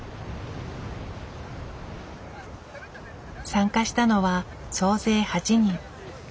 参加したのは総勢８人。